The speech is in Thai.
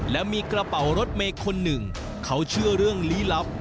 และมีกระเป๋ารถเมย์คนหนึ่งเขาเชื่อเรื่องลี้ลับ